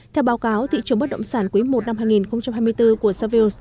theo báo cáo thị trường bất động sản quý i năm hai nghìn hai mươi bốn của saville